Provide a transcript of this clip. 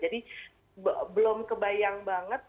jadi belum kebayang banget